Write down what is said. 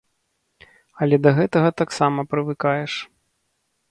Але да гэтага таксама прывыкаеш.